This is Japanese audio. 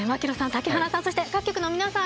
竹鼻さんそして各局の皆さん